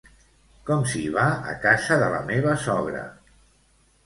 Com s'hi va a casa de la meva sogra?